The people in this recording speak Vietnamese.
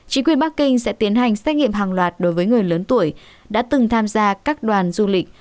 chính quyền bắc kinh sẽ tiến hành xét nghiệm hàng loạt đối với người lớn tuổi đã từng tham gia các đoàn du lịch